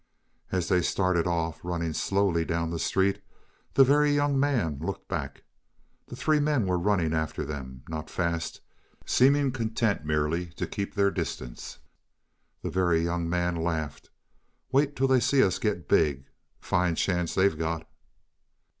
As they started off, running slowly down the street, the Very Young Man looked back. The three men were running after them not fast, seeming content merely to keep their distance. The Very Young Man laughed. "Wait till they see us get big. Fine chance they've got."